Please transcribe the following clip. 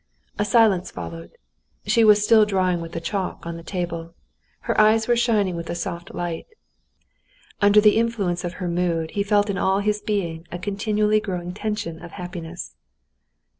A silence followed. She was still drawing with the chalk on the table. Her eyes were shining with a soft light. Under the influence of her mood he felt in all his being a continually growing tension of happiness.